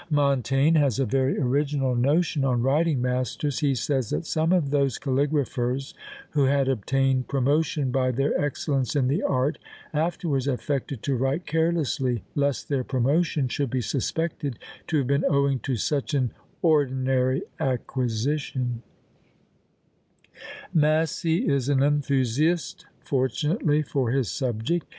Montaigne has a very original notion on writing masters: he says that some of those caligraphers who had obtained promotion by their excellence in the art, afterwards _affected to write carelessly, lest their promotion should be suspected to have been owing to such an ordinary acquisition_! Massey is an enthusiast, fortunately for his subject.